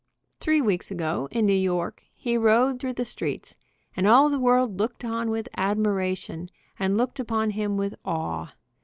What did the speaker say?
Three weeks ago, in New York, he rode through the streets and all the world looked on with admiration, and looked upon him with awe.